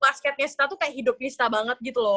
basketnya sita tuh kayak hidupnya sita banget gitu loh